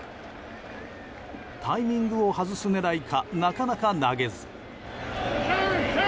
タイミングを外す狙いかなかなか投げず。